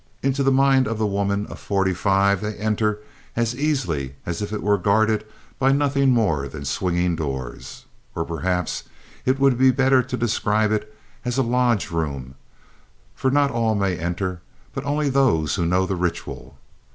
Into the mind of the woman of forty five they enter as easily as if it were guarded by nothing more than swinging doors. Or perhaps it would be better to describe it as a lodge room, for not all may enter, but only those who know the ritual.